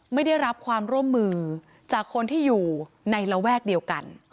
ไม่ได้รับความร่วมมือจากคนที่อยู่ในระแวกเดียวกัน